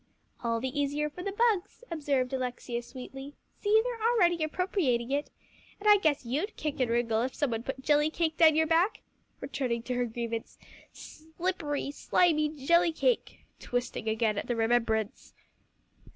"All the easier for the bugs," observed Alexia sweetly; "see, they're already appropriating it. And I guess you'd kick and wriggle if some one put jelly cake down your back," returning to her grievance, "slippery, slimy jelly cake," twisting again at the remembrance.